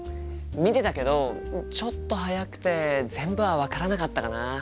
見てたけどちょっと速くて全部は分からなかったかな。